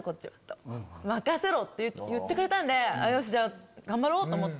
って言ってくれたんでよしじゃあ頑張ろうと思って。